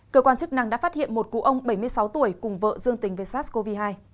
cơ quan chức năng đã phát hiện một cụ ông bảy mươi sáu tuổi cùng vợ dương tình với sars cov hai